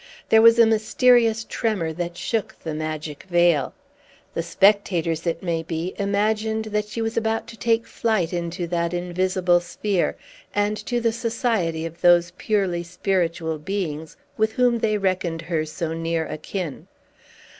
There was a mysterious tremor that shook the magic veil. The spectators, it may be, imagined that she was about to take flight into that invisible sphere, and to the society of those purely spiritual beings with whom they reckoned her so near akin.